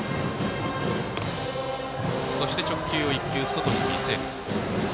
そして直球を１球、外に見せる。